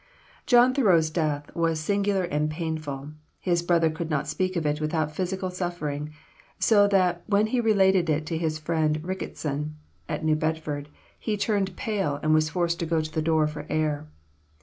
John Thoreau's death was singular and painful; his brother could not speak of it without physical suffering, so that when he related it to his friend Ricketson at New Bedford, he turned pale and was forced to go to the door for air.